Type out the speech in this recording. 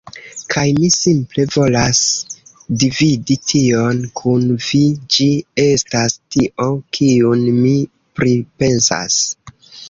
Kaj mi simple volas dividi tion kun vi ĝi estas tio kiun mi pripensas